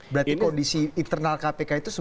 berarti kondisi internal kpk itu seberapa krusial